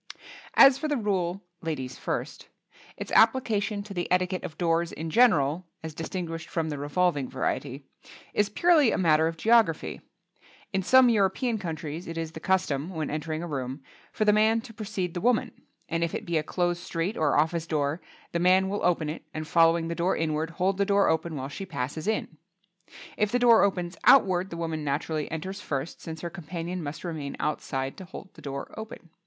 As for the rule "Ladies first," its application to the etiquette of doors in general (as distinguished from the revolving variety) is purely a matter of geography. In some European countries it is the custom, when entering a room, for the man to precede the woman, and if it be a closed street or office door, the man will open it and following the door inward, hold the door open while she passes in. If the door opens outward the woman naturally enters first, since her companion must remain outside to hold the door open.